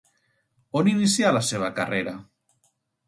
On inicià la seva carrera?